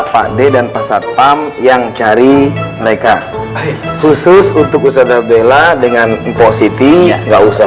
pakdeh dan pak satpam yang cari mereka khusus untuk ustaz abela dengan impositif nggak usah